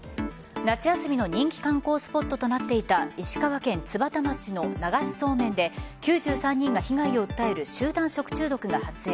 夏休みの人気観光スポットとなっていた石川県津幡町の流しそうめんで９３人が被害を訴える集団食中毒が発生。